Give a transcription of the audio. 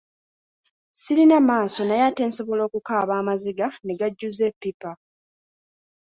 Sirina maaso naye ate nsobola okukaaba amaziga ne gajjuza eppipa.